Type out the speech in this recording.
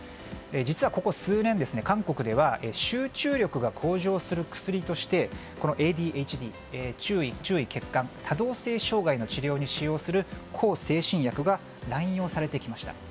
実はここ数年、韓国では集中力が向上する薬としてＡＤＨＤ・注意欠陥多動性障害の治療に使用する向精神薬が乱用されてきました。